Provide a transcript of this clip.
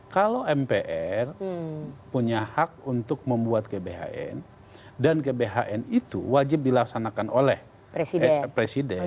kalau mpr punya hak untuk membuat gbhn dan gbhn itu wajib dilaksanakan oleh presiden